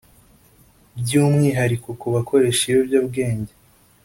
By’umwihariko ku bakoresha ibiyobyabwenge